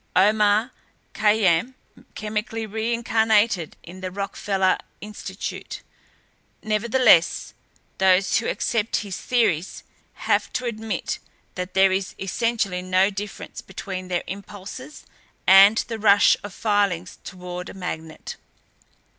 Omar Khayyam chemically reincarnated in the Rockefeller Institute. Nevertheless those who accept his theories have to admit that there is essentially no difference between their impulses and the rush of filings toward a magnet.